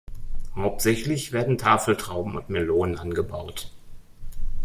Hauptsächlich werden Tafeltrauben und Melonen angebaut.